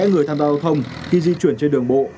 người tham gia giao thông khi di chuyển trên đường bộ